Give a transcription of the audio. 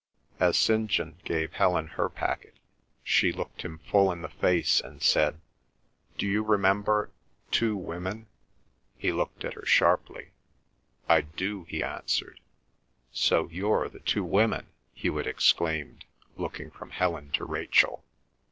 As St. John gave Helen her packet she looked him full in the face and said: "Do you remember—two women?" He looked at her sharply. "I do," he answered. "So you're the two women!" Hewet exclaimed, looking from Helen to Rachel.